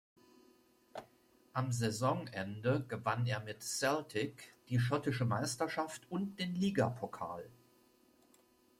Am Saisonende gewann er mit "Celtic" die Schottische Meisterschaft und den Ligapokal.